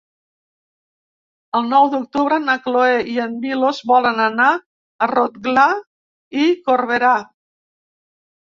El nou d'octubre na Cloè i en Milos volen anar a Rotglà i Corberà.